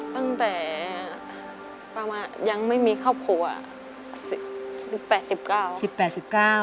ตั้งแต่ประมาณยังไม่มีครอบครัวสิบแปดสิบเก้าสิบแปดสิบเก้า